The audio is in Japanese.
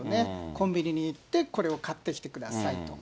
コンビニに行って、これを買ってきてくださいと。